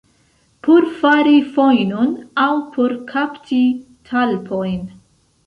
Por fari fojnon aŭ por kapti talpojn.